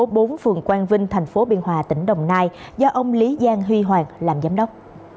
tỉnh quang vinh thành phố biên hòa tỉnh đồng nai do ông lý giang huy hoàng làm giám đốc